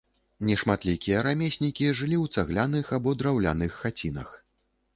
Нешматлікія рамеснікі жылі ў цагляных або драўляных хацінах.